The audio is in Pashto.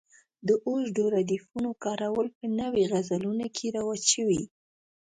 د اوږدو ردیفونو کارول په نویو غزلونو کې رواج شوي.